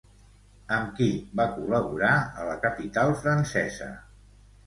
Amb qui va col·laborar a la capital francesa?